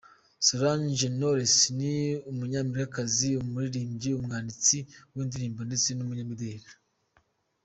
Solange Knowles: Ni umunyamerikakazi, umuririmbyi, umwanditsi w’indirimbo ndetse n’umunyamideli.